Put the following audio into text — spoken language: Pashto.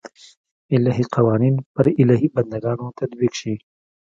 الهي قوانین پر الهي بنده ګانو تطبیق شي.